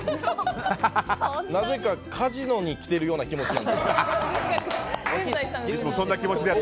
なぜかカジノに来ている気持ちです。